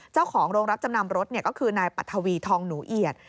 เจ้าของโรงรับจำนำรถก็คือนายปัทวีทองหนูเอียด